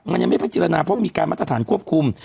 มันยังไม่พิจารณาเพราะมีการมาตรฐานควบคุม